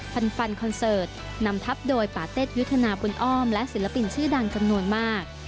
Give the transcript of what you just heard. ฟันฟันคอนเสิร์ตนำทับโดยปาเต็ดยุทธนาบุญอ้อมและศิลปินชื่อดังจำนวนมาก